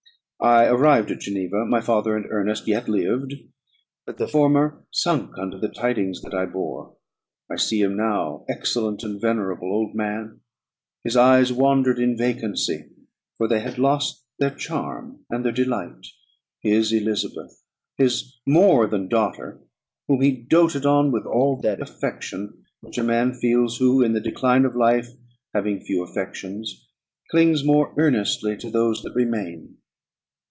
I arrived at Geneva. My father and Ernest yet lived; but the former sunk under the tidings that I bore. I see him now, excellent and venerable old man! his eyes wandered in vacancy, for they had lost their charm and their delight his Elizabeth, his more than daughter, whom he doated on with all that affection which a man feels, who in the decline of life, having few affections, clings more earnestly to those that remain.